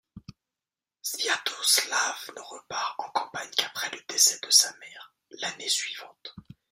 Sviatoslav ne repart en campagne qu'après le décès de sa mère, l'année suivante.